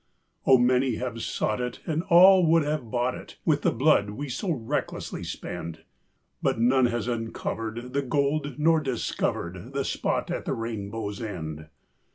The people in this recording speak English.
Oh, many have sought it, And all would have bought it, With the blood we so recklessly spend; But none has uncovered, The gold, nor discovered The spot at the rainbow's end.